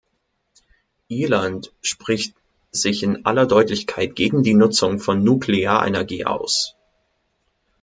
Irland spricht sich in aller Deutlichkeit gegen die Nutzung von Nuklearenergie aus.